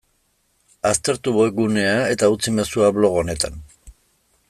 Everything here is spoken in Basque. Aztertu webgunea eta utzi mezua blog honetan.